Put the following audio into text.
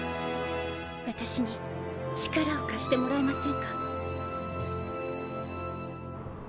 私に力を貸してもらえませんか？